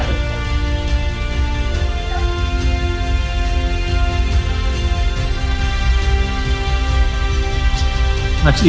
terima kasih banyak banyak